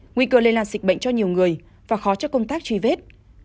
nguy cơ lây lan dịch bệnh cho nhiều người và khó cho công tác truy vết